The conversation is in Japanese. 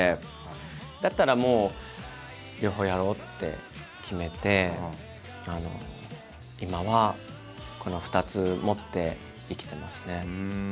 だったらもう両方やろうって決めて今はこの２つ持って生きてますね。